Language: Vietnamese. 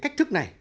là chưa hợp lý